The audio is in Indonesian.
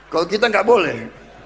kalau kita gak boleh